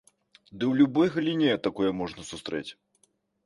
Ды ў любой галіне такое можна сустрэць!